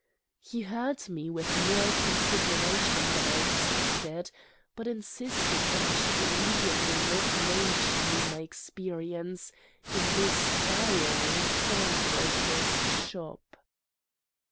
He heard me with more consideration than I expected, but insisted that I should immediately make known to you my experience in this Bowery pawnbroker's shop.